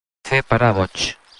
Fer parar boig.